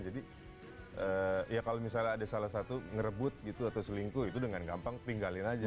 jadi ya kalau misalnya ada salah satu ngerebut gitu atau selingkuh itu dengan gampang tinggalin aja